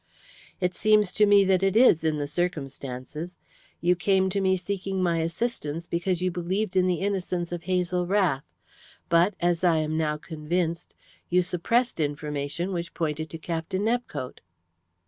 "It seems to me that it is, in the circumstances. You came to me seeking my assistance because you believed in the innocence of Hazel Rath, but as I am now convinced you suppressed information which pointed to Captain Nepcote."